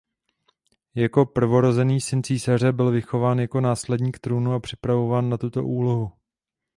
Jako prvorozený syn císaře byl vychováván jako následník trůnu a připravován na tuto úlohu.